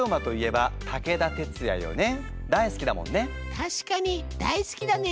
たしかに大好きだね。